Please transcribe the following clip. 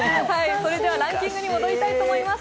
それではランキングに戻りたいと思います。